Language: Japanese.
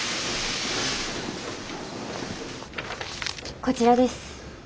こちらです。